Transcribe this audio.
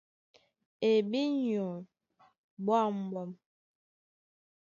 E bí nyɔ̀í ɓwǎmɓwam.